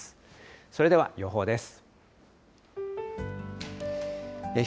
それでは予報です。